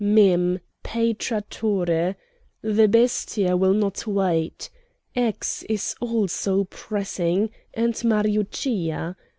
Mem., pay Trattore. The Bestia will not wait. X. is also pressing, and Mariuccia.